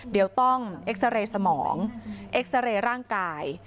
เดี๋ยวต้องเอ็กซาเรย์สมองเอ็กซาเรย์ร่างกาย